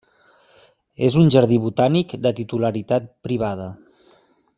És un jardí botànic de titularitat privada.